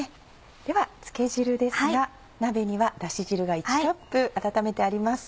では漬け汁ですが鍋にはダシ汁が１カップ温めてあります。